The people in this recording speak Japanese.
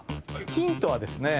ヒントはですね